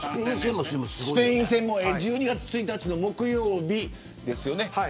スペイン戦も１２月１日の木曜日にあります。